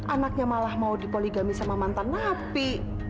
anaknya malah mau dipoligami sama mantan napi